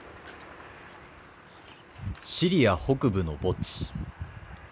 シリア北部の墓地。